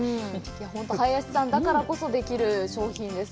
林さんだからこそできる商品です。